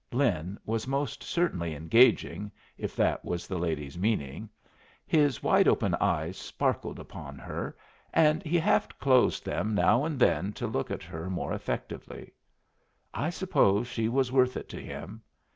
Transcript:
Lin was most certainly engaging, if that was the lady's meaning. His wide open eyes sparkled upon her, and he half closed them now and then to look at her more effectively. I suppose she was worth it to him.